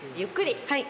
はい。